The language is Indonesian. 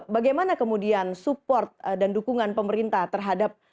bagaimana kemudian support dan dukungan pemerintah terhadap